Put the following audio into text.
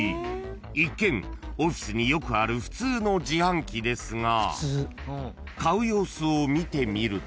［一見オフィスによくある普通の自販機ですが買う様子を見てみると］